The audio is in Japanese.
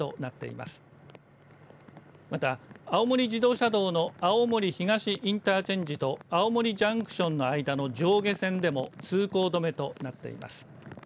また青森自動車道の青森東インターチェンジと青森ジャンクションの間の上下線でも通行止めとなっています。